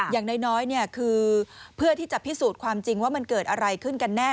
อย่างน้อยคือเพื่อที่จะพิสูจน์ความจริงว่ามันเกิดอะไรขึ้นกันแน่